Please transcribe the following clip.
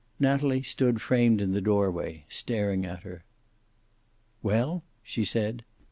Natalie stood framed in the doorway, staring at her. "Well?" she said.